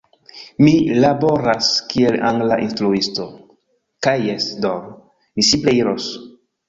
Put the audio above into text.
Mi laboras kiel angla instruisto. Kaj jes, do, mi simple iros!